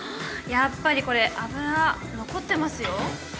やっぱりこれ油残ってますよ。